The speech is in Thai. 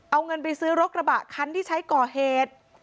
เอาเงินไปซื้อรถกระบะคันที่ใช้ก่อเหตุ